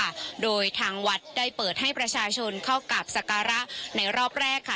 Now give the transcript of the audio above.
ค่ะโดยทางวัดได้เปิดให้ประชาชนเข้ากราบสการะในรอบแรกค่ะ